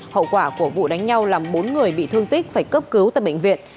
hậu quả của vụ đánh nhau làm bốn người bị thương tích phải cấp cứu tại bệnh viện